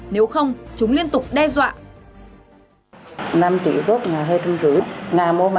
nếu không chúng liên tục đe dọa